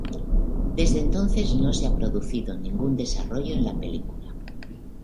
Desde entonces, no se ha producido ningún desarrollo en la película.